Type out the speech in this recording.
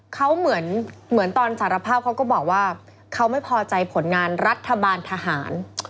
เขาเหมือนตอนสารภาพเขาก็บอกว่าเขาไม่พอใจผลงานรัฐบาลทหาร